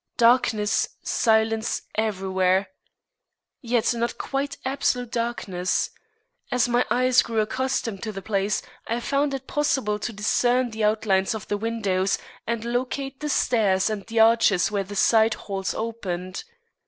Darkness, silence everywhere. Yet not quite absolute darkness. As my eyes grew accustomed to the place, I found it possible to discern the outlines of the windows and locate the stairs and the arches where the side halls opened.